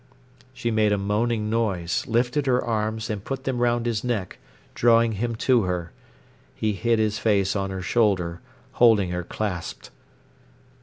She made a moaning noise, lifted her arms, and put them round his neck, drawing him to her. He hid his face on her shoulder, holding her clasped.